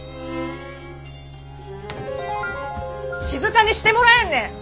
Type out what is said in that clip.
静かにしてもらえんね！